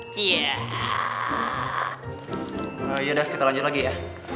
yaudah kita lanjut lagi ya